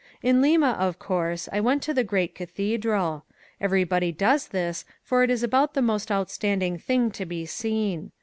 In Lima, of course, I went to the great cathedral. Everybody does this for it is about the most outstanding thing to be seen.